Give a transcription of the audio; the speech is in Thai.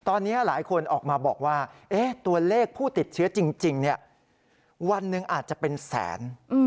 ตอนนี้หลายคนออกมาบอกว่าตัวเลขผู้ติดเชื้อจริงวันหนึ่งอาจจะเป็นแสน